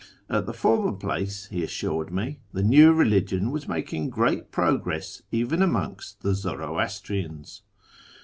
At the former place, he assured me, the new religion was making great progress even amongst the Zoroastrians.